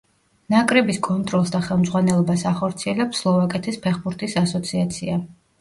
ნაკრების კონტროლს და ხელმძღვანელობას ახორციელებს სლოვაკეთის ფეხბურთის ასოციაცია.